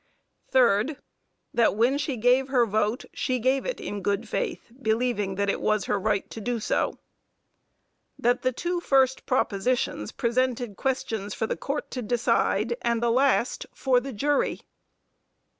Third That when she gave her vote she gave it in good faith, believing that it was her right to do so. That the two first propositions presented questions for the Court to decide, and the last for the jury.